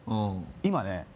今ね